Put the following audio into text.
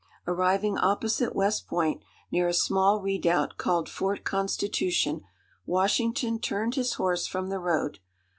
Arriving opposite West Point, near a small redoubt called Fort Constitution, Washington turned his horse from the road.